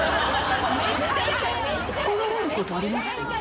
怒られることあります？